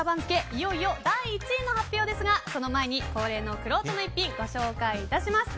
いよいよ第１位の発表ですがその前に恒例のくろうとの逸品ご紹介いたします。